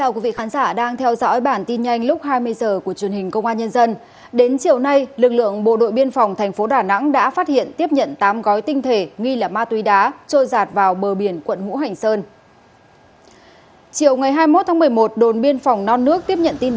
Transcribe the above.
cảm ơn các bạn đã theo dõi